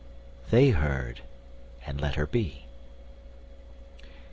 They heard and let her be.